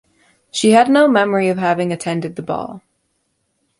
She had no memory of having attended the ball.